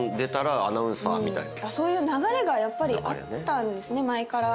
そういう流れがやっぱりあったんですね前から。